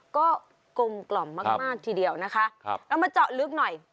ก็กลมกล่อมมากมากทีเดียวนะคะครับเรามาเจาะลึกหน่อย